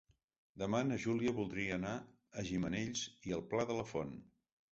Demà na Júlia voldria anar a Gimenells i el Pla de la Font.